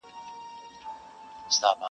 څوک به څرنګه منتر د شیطان مات کړي -